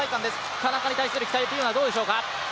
田中に対する期待っていうのはどうでしょうか？